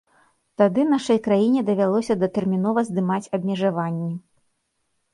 Тады нашай краіне давялося датэрмінова здымаць абмежаванні.